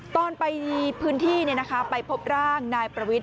ตอนไปพื้นที่ไปพบร่างนายประวิทย